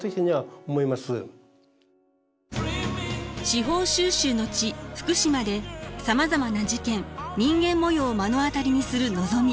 司法修習の地福島でさまざまな事件人間模様を目の当たりにするのぞみ。